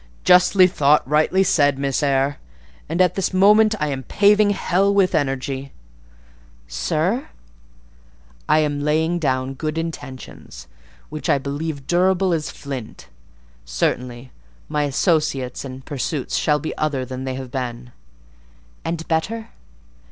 "Justly thought; rightly said, Miss Eyre; and, at this moment, I am paving hell with energy." "Sir?" "I am laying down good intentions, which I believe durable as flint. Certainly, my associates and pursuits shall be other than they have been." "And better?"